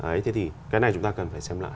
đấy thế thì cái này chúng ta cần phải xem lại